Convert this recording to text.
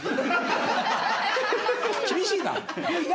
厳しいな！